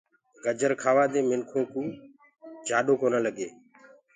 گجر کآوآ دي منکآنٚ ڪوُ سي ڪونآ لگي۔